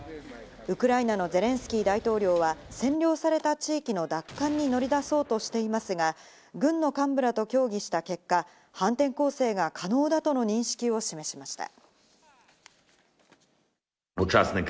ウクライナのゼレンスキー大統領は、占領された地域の奪還に乗り出そうとしていますが、軍の幹部らと協議した結果、反転攻勢が可能だとの認識を示しました。